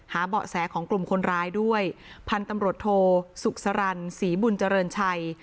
เบาะแสของกลุ่มคนร้ายด้วยพันธุ์ตำรวจโทสุขสรรศรีบุญเจริญชัย